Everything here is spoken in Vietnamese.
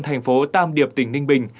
thành phố tam điệt tỉnh ninh bình